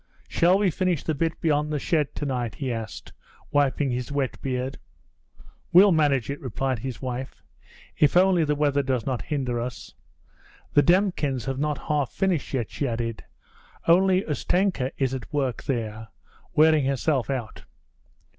'Shall we finish the bit beyond the shed to night?' he asked, wiping his wet beard. 'We'll manage it,' replied his wife, 'if only the weather does not hinder us. The Demkins have not half finished yet,' she added. 'Only Ustenka is at work there, wearing herself out.'